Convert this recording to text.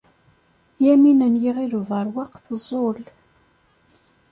Yamina n Yiɣil Ubeṛwaq teẓẓul.